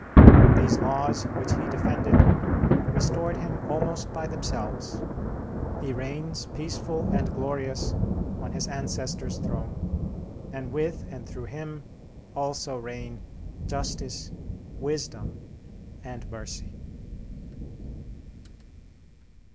These laws, which he defended, restored him almost by themselves; he reigns, peaceful and glorious, on his ancestors' throne, and with and through him also reign justice, wisdom, and mercy.